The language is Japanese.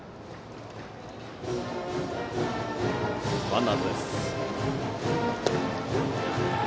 ワンアウトです。